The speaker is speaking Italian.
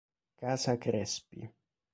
Casa Crespi